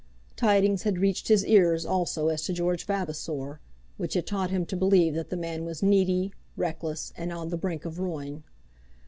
Tidings had reached his ears also as to George Vavasor, which had taught him to believe that the man was needy, reckless, and on the brink of ruin.